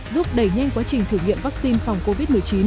giúp đẩy nhanh quá trình thử nghiệm vaccine phòng covid một mươi chín